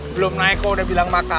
belum naik kok udah bilang mata